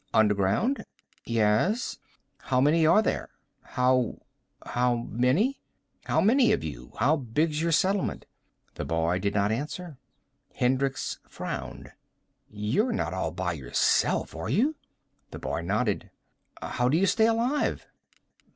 "Underground?" "Yes." "How many are there?" "How how many?" "How many of you. How big's your settlement?" The boy did not answer. Hendricks frowned. "You're not all by yourself, are you?" The boy nodded. "How do you stay alive?"